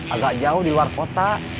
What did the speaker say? agak jauh diluar kota